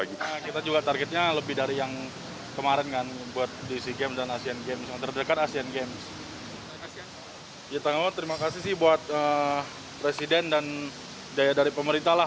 kita terima kasih sih buat presiden dan daya dari pemerintah